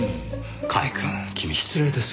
甲斐くん君失礼ですよ。